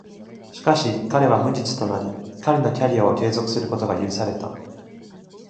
しかし、彼は無実となり、彼のキャリアを継続することが許された。